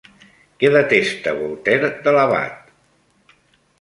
Què detesta Voltaire de l'abat?